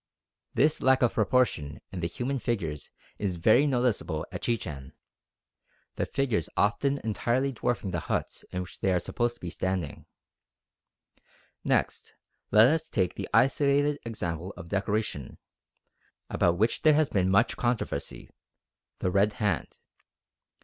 This lack of proportion in the human figures is very noticeable at Chichen, the figures often entirely dwarfing the huts in which they are supposed to be standing. Next, let us take the isolated example of decoration, about which there has been much controversy, the Red Hand.